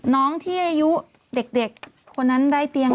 น้องที่อายุเด็กคนนั้นได้เตียง